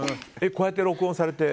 こうやって録音されて？